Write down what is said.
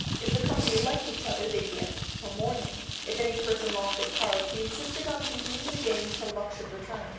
If the company liked each other they danced till morning. If any person lost at cards he insisted on continuing the game till luck should turn.